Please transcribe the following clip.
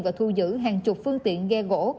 và thu giữ hàng chục phương tiện ghe gỗ